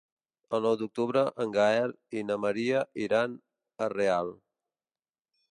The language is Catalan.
El nou d'octubre en Gaël i na Maria iran a Real.